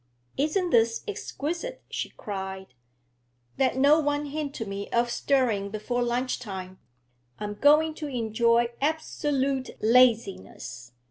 'Isn't this exquisite?' she cried. 'Let no one hint to me of stirring before lunch time. I am going to enjoy absolute laziness.'